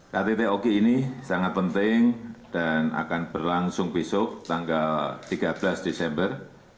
ktt oki ini sangat penting dan akan berlangsung besok tanggal tiga belas desember dua ribu tujuh belas